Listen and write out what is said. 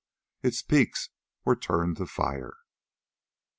its peaks were turned to fire.